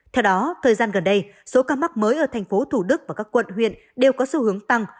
theo đó thời gian gần đây số ca mắc mới ở tp thủ đức và các quận huyện đều có xu hướng tăng